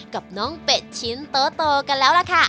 กับน้องเป็ดชิ้นโตกันแล้วล่ะค่ะ